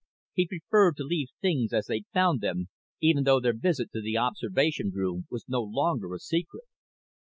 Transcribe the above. He preferred to leave things as they'd found them, even though their visit to the observation room was no longer a secret.